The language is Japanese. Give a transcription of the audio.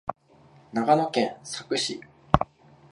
長野県佐久市